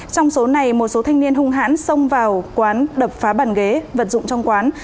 trong số này một số thanh niên hung hãn xông vào quán đập phá bàn ghế vật dụng trong quán